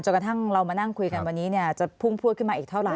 กระทั่งเรามานั่งคุยกันวันนี้จะพุ่งพวดขึ้นมาอีกเท่าไห